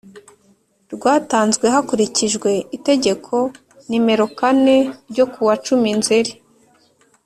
rwatanzwe hakurikijwe Itegeko nimero kane ryo kuwa cumi nzeri